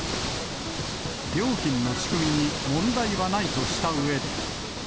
料金の仕組みに問題はないとしたうえで。